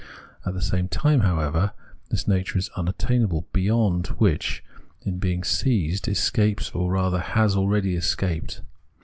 At the same time, however, this nature is the miattainable ' beyond ' which, in being seized, escapes or rather has already escaped.